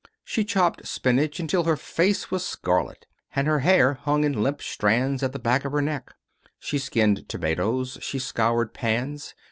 She chopped spinach until her face was scarlet, and her hair hung in limp strands at the back of her neck. She skinned tomatoes. She scoured pans.